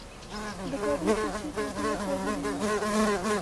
د کابل پر سیند اوبه یخ وهلې وې.